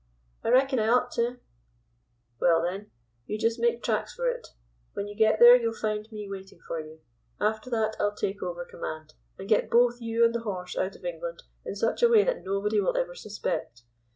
"I reckon I ought to." "Well, then, you just make tracks for it. When you get there you'll find me waiting for you. After that I'll take over command, and get both you and the horse out of England in such a way that nobody will ever suspect.